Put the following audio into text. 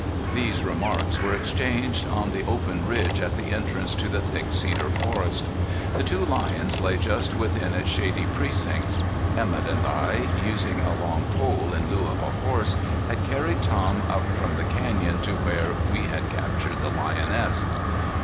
These remarks were exchanged on the open ridge at the entrance to the thick cedar forest. The two lions lay just within its shady precincts. Emett and I, using a long pole in lieu of a horse, had carried Tom up from the Canyon to where we had captured the lioness.